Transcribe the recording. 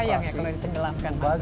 sayang ya kalau ditenggelamkan